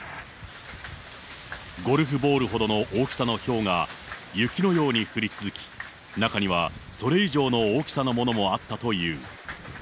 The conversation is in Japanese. ゴルフボールほどの大きさのひょうが、雪のように降り続き、中にはそれ以上の大きさのものもあったという。